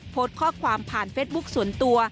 โพสต์ข้อความผ่านเฟสบุ๊คส่วนตัว